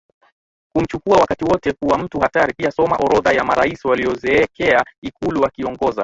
kumchukua wakati wote kuwa mtu hatari Pia Soma Orodha ya marais waliozeekea Ikulu wakiongoza